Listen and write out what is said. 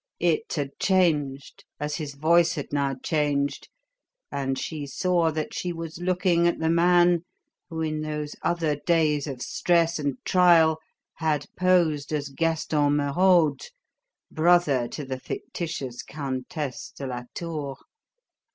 It had changed as his voice had now changed, and she saw that she was looking at the man who in those other days of stress and trial had posed as "Gaston Merode," brother to the fictitious "Countess de la Tour."